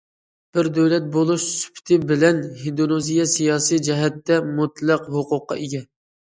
بىر دۆلەت بولۇش سۈپىتى بىلەن، ھىندونېزىيە سىياسىي جەھەتتە مۇتلەق ھوقۇققا ئىگە.